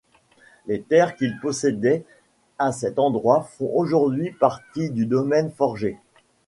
Les terres qu'il possédait à cet endroit font aujourd'hui partie du Domaine Forget.